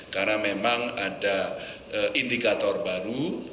karena memang ada indikator berikutnya